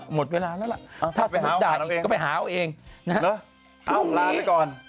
หมดเวลาแล้วถ้าสนุกได้ก็ไปหาเอาเองนะฮะพรุ่งนี้อ๋อลาไปก่อน